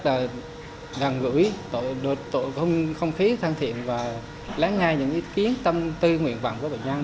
và đàn gửi tội không khí thân thiện và lãng ngay những ý kiến tâm tư nguyện vọng của bệnh nhân